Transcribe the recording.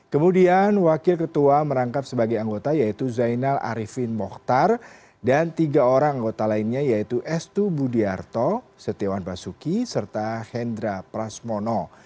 kemudian wakil ketua merangkap sebagai anggota yaitu zainal arifin mokhtar dan tiga orang anggota lainnya yaitu estu budiarto setiwan basuki serta hendra prasmono